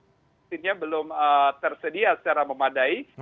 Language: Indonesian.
vaksinnya belum tersedia secara memadai